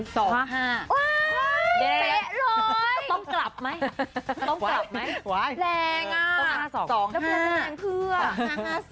เตะเลยต้องกลับไหมแรงอ่ะ๕๕๒